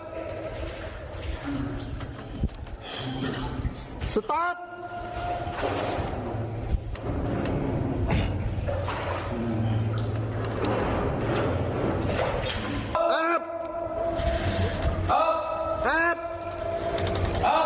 ก็เอาออกซิเจนลงไปที่ก้นบ่อใช่มั้ยคะก็เอาออกซิเจนลงไปที่ก้นบ่อใช่มั้ยคะก็เอาออกซิเจนลงไปที่ก้นบ่อใช่มั้ยคะ